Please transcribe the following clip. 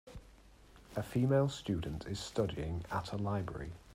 A female student is studying at a library.